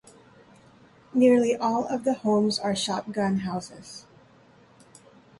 Nearly all of the homes are shotgun houses.